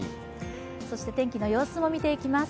天気の様子も見ていきます。